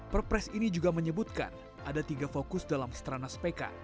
perpres ini juga menyebutkan ada tiga fokus dalam stranas pk